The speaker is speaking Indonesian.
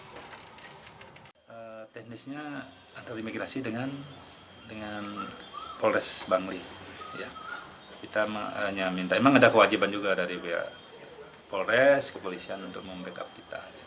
rene lawrence menyebutkan bahwa kebebasan rene akan dibebaskan pada hari ini